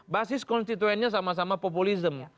basis konstituennya sama sama populisme